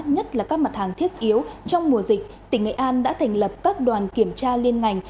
nhất là các mặt hàng thiết yếu trong mùa dịch tỉnh nghệ an đã thành lập các đoàn kiểm tra liên ngành